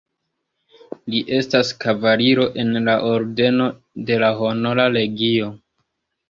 Li estas kavaliro en la ordeno de la Honora Legio.